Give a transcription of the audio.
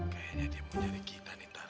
kayaknya dia mau cari kita nih tar